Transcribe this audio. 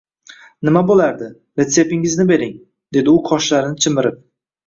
Nima bo`lardi, reseptingizni bering, dedi u qoshlarini chimirib